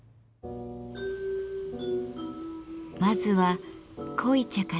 まずは濃茶から。